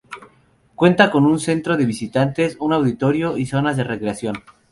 Cuenta con un centro de visitantes, un auditorio, y zonas de recreación.